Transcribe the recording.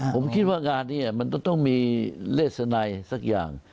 ผมคิดว่างานนี้มันต้องมีเลสนัยสักอย่าง